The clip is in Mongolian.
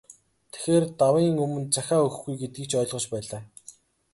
Тэгэхээр, давын өмнө захиа өгөхгүй гэдгийг ч ойлгож байлаа.